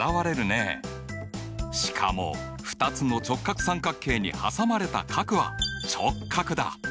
しかも２つの直角三角形に挟まれた角は直角だ。